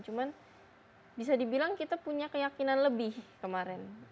cuman bisa dibilang kita punya keyakinan lebih kemarin